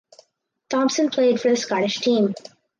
Thomson played for the Scottish team.